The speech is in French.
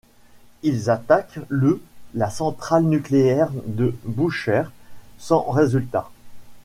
Ils attaquent le la centrale nucléaire de Bouchehr, sans résultat.